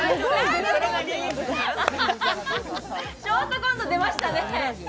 ショートコント出ましたね。